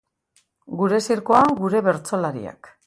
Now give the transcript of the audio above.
Gure zirkoan gure bertsolariak.